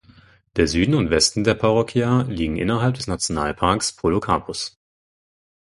Der Süden und Westen der Parroquia liegen innerhalb des Nationalparks Podocarpus.